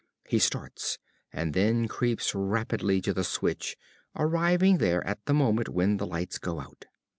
He starts, and then creeps rapidly to the switch, arriving there at the moment when the lights go out.